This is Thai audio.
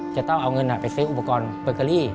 จะต้องเอาเงินไปซื้ออุปกรณ์เบอร์เกอรี่